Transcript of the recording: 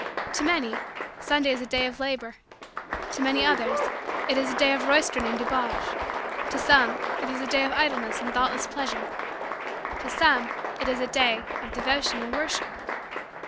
To many, Sunday is a day of labor. To many others, it is a day of roistering and debauch. To some, it is a day of idleness and thoughtless pleasure. To some, it is a day of devotion and worship.